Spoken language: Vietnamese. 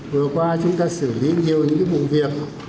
vừa qua chúng ta xử lý nhiều những vụ việc